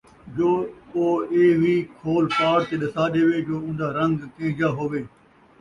جو او ایہ وِی کھول پاڑ تے ݙسا ݙیوے جو اُوندا رَن٘گ کِہجا ہووے،